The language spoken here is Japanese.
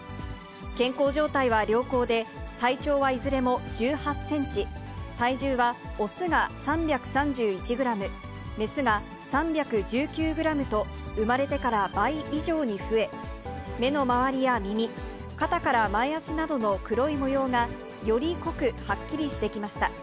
健康状態は良好で、体長はいずれも１８センチ、体重は雄が３３１グラム、雌が３１９グラムと、産まれてから倍以上に増え、目の周りや耳、肩から前足などの黒い模様が、より濃くはっきりしてきました。